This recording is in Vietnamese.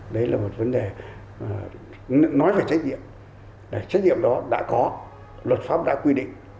đấy là một vấn đề nói về trách nhiệm trách nhiệm đó đã có luật pháp đã quy định